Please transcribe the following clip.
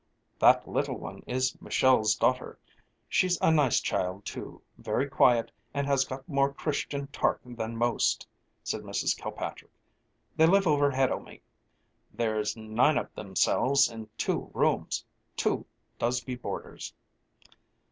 "That little one is Meshell's daughter; she's a nice child too, very quiet, and has got more Christian tark than most," said Mrs. Kilpatrick. "They live overhead o' me. There's nine o' themselves in the two rooms; two does be boarders."